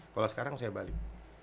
kalau sekarang saya balik